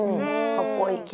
かっこいい。